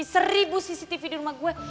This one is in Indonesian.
seribu cctv di rumah gue